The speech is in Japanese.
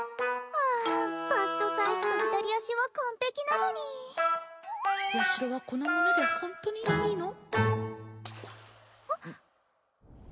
ああバストサイズと左足は完璧なのにヤシロはこの胸でホントにいいの？